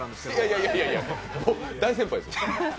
いやいやいや、大先輩です。